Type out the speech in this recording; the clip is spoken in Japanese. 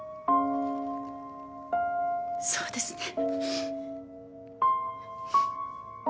そうですね。